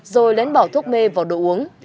rồi lén bỏ thuốc mê vào đồ uống